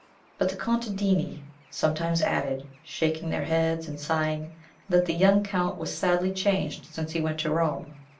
But the contadini sometimes added, shaking their heads and sighing, that the young Count was sadly changed since he went to Rome.